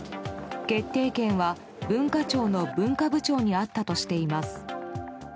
決定権は文化庁の文化部長にあったとしています。